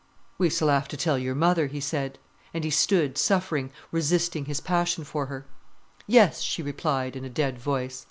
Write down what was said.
"We s'll 'ave to tell your mother," he said. And he stood, suffering, resisting his passion for her. "Yes," she replied, in a dead voice.